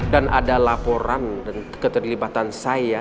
dan ada laporan dan keterlibatan saya